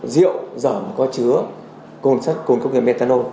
rượu giỏm có chứa cồn sắt cồn công việc methanol